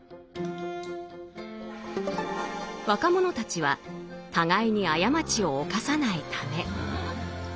若者たちは互いに過ちを犯さないため。